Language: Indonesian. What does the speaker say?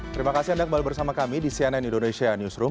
terima kasih anda kembali bersama kami di cnn indonesia newsroom